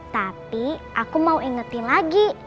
tapi aku mau ingetin lagi